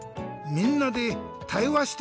みんなで「たいわ」